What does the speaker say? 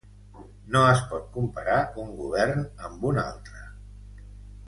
No es pot comparar un govern amb un altre.